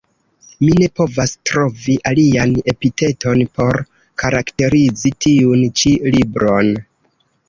Mi ne povas trovi alian epiteton por karakterizi tiun ĉi libron.